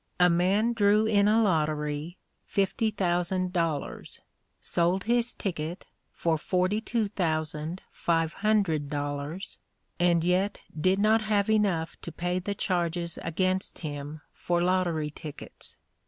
A man drew in a lottery fifty thousand dollars, sold his ticket for forty two thousand five hundred dollars, and yet did not have enough to pay the charges against him for lottery tickets.